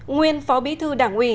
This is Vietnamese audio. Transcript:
nguyên phó bí thư đảng